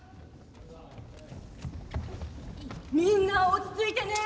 みんな落ち着いてね。